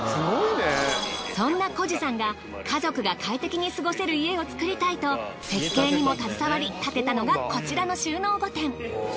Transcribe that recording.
そんなコジさんが家族が快適に過ごせる家を作りたいと設計にも携わり建てたのがこちらの収納御殿。